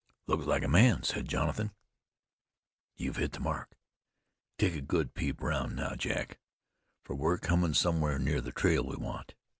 "Looks like a man," said Jonathan. "You've hit the mark. Take a good peep roun' now, Jack, fer we're comin' somewhere near the trail we want."